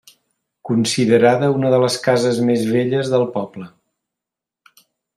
Considerada una de les cases més velles del poble.